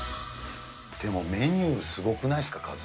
でもメニュー、すごくないですか、数。